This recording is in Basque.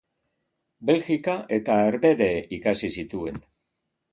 Belgika eta Herbehere ikasi zituen.